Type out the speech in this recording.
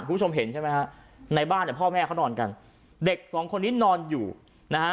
คุณผู้ชมเห็นใช่ไหมฮะในบ้านเนี่ยพ่อแม่เขานอนกันเด็กสองคนนี้นอนอยู่นะฮะ